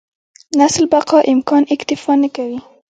نسل بقا امکان اکتفا نه کوي.